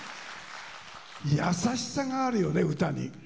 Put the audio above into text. やさしさがあるよね、歌に。